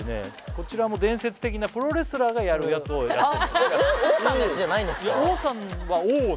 こちらも伝説的なプロレスラーがやるやつをやってたオゥ！